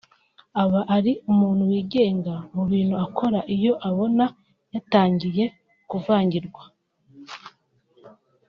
Aba ni umuntu wigenga mu bintu akora iyo abona yatangiye kuvangirwa